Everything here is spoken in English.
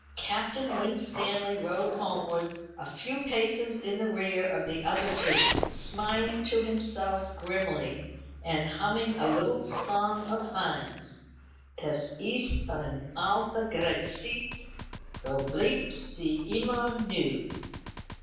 Captain Winstanley rode homewards a few paces in the rear of the other two, smiling to himself grimly, and humming a little song of Heine's: "Es ist eine alte Geschichte, Doch bleibt sie immer neu."